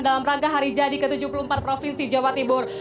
dalam rangka hari jadi ke tujuh puluh empat provinsi jawa timur